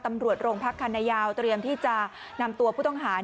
ตำรวจโรงพักคันนายาวเตรียมที่จะนำตัวผู้ต้องหา